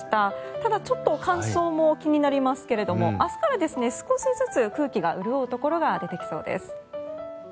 ただ、ちょっと乾燥も気になりますけれども明日から少しずつ空気が潤うところが出てきそうです。